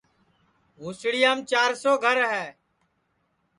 ہُوسڑیام چِار سو گھر ہے